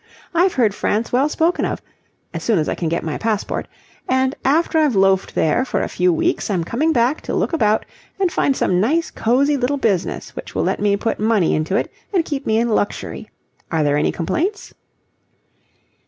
I've heard France well spoken of as soon as I can get my passport; and after I've loafed there for a few weeks, I'm coming back to look about and find some nice cosy little business which will let me put money into it and keep me in luxury. Are there any complaints?"